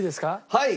はい。